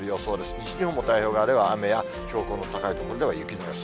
西日本も太平洋側では雨や、標高の高い所では雪の予想。